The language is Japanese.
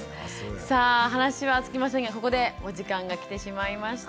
さあ話は尽きませんがここでお時間が来てしまいました。